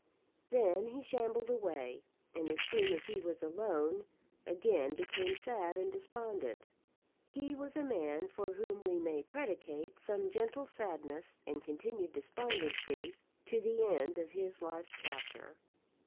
Then he shambled away, and as soon as he was alone, again became sad and despondent. He was a man for whom we may predicate some gentle sadness and continued despondency to the end of his life's chapter.